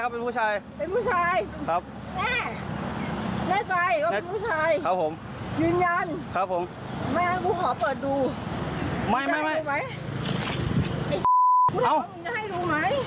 มึงจะให้ดูมั้ย